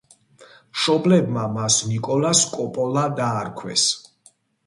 მშობლებმა მას ნიკოლას კოპოლა დაარქვეს.